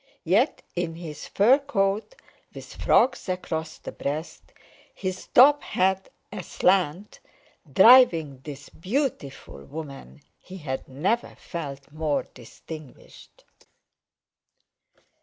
Yet in his fur coat, with frogs across the breast, his top hat aslant, driving this beautiful woman, he had never felt more distinguished.